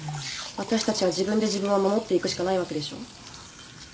私たちは自分で自分を守っていくしかないわけでしょ？